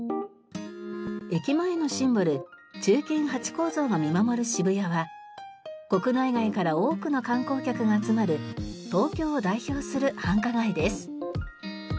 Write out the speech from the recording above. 駅前のシンボル忠犬ハチ公像が見守る渋谷は国内外から多くの観光客が集まる東京を代表する繁華街です。